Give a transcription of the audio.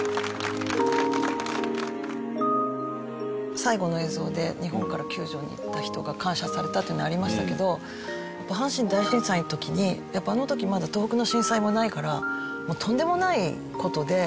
最後の映像で日本から救助に行った人が感謝されたというのありましたけど阪神大震災の時にやっぱあの時まだ東北の震災もないからとんでもない事で。